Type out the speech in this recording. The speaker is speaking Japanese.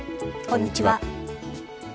こんにちは。